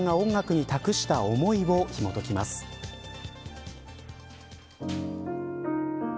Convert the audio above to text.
坂本さんが音楽に託した思いをひもときます。